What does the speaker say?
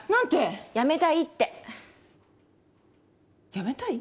辞めたい？